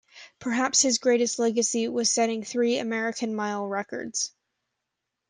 Perhaps his greatest legacy was setting three American mile records.